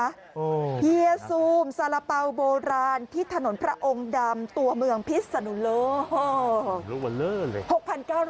เฮียซูมสาระเป๋าโบราณที่ถนนพระองค์ดำตัวเมืองพิศนุโลก